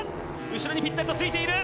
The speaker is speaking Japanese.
後ろにぴったりとついている。